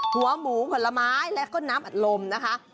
หัวหมูผลไม้และก็น้ำอัดลมนะคะ